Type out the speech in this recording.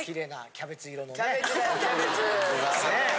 キャベツ。